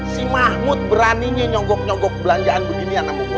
si mahmud beraninya nyonggok nyonggok belanjaan begini anakmu buat